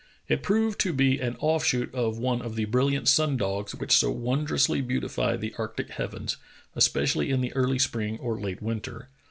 It proved to be an offshoot of one of the brilliant sun dogs which so wondrously beautify the arctic heavens, especially in the early spring or late winter.